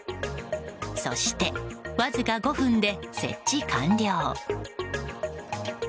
そして、わずか５分で設置完了。